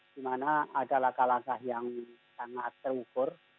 dimana ada langkah langkah yang sangat terukur